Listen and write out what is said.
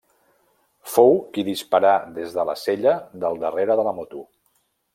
Fou qui disparà des de la sella del darrere de la moto.